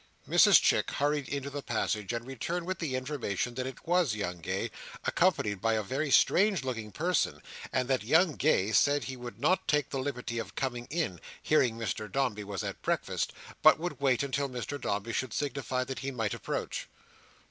Mrs Chick hurried into the passage, and returned with the information that it was young Gay, accompanied by a very strange looking person; and that young Gay said he would not take the liberty of coming in, hearing Mr Dombey was at breakfast, but would wait until Mr Dombey should signify that he might approach.